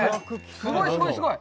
すごい、すごい、すごい！